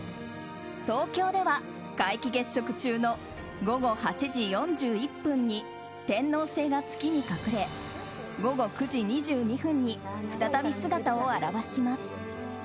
東京では皆既月食中の午後８時４１分に天王星が月に隠れ午後９時２２分に再び姿を現します。